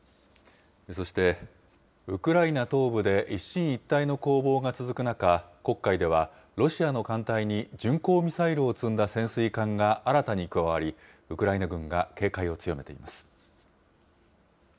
そして、ウクライナ東部で一進一退の攻防が続く中、黒海ではロシアの艦隊に巡航ミサイルを積んだ潜水艦が新たに加わり、ウクライナ軍が警戒を強めています。